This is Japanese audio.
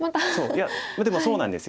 いやでもそうなんです。